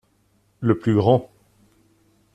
Le plus grand.